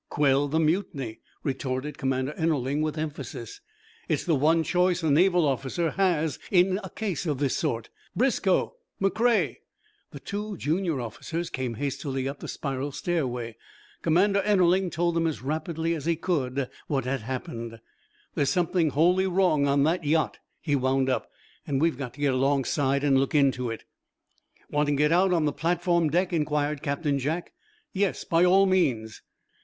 "Quell the mutiny," retorted Commander Ennerling, with emphasis. "It's the one choice a Naval officer has in a case of this sort. Briscoe! McCrea!" The two junior officers came hastily up the spiral stairway. Commander Ennerling told them as rapidly as he could what had happened. "There's something wholly wrong on that yacht," he wound up, "and we've got to get alongside and look into it." "Want to get out on the platform deck?" inquired Captain Jack. "Yes, by all means."